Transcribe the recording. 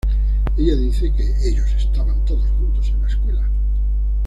Ella dice que ""Ellos estaban todos juntos en la escuela"".